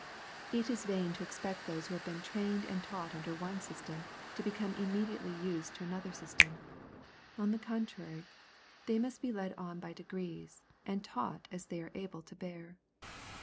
It is vain to expect those who have been trained and taught under one system, to become immediately used to another system. On the contrary, they must be led on by degrees, and taught as they are able to bear.